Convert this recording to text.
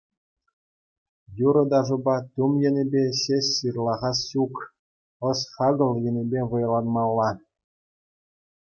Юрӑ-ташӑпа тум енӗпе ҫеҫ ҫырлахас ҫук — ӑс-хакӑл енӗпе вӑйланмалла.